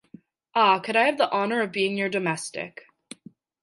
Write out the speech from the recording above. Ah, could I have the honour of being your domestic!